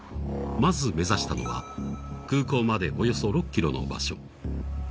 まず目指したのは空港までおよそ６ｋｍの場所。